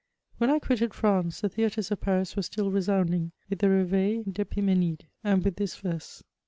When I quitted France, the theatres of Paris were still re sounding with the Reveil d'Epimdnidey and with this verse : VOL.